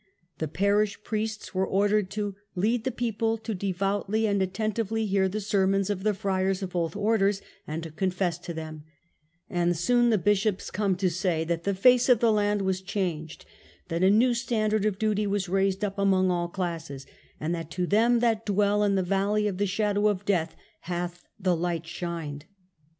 The parish priests were ordered to "lead the people to devoutly and attentively hear the sermons of the friars of both orders, and to confess to them"; and soon the bishops come to say that the face of the land was changed, that a new standard of duty was raised up among all classes, and that "to them that dwell in the valley of the shadow of death hath the light shined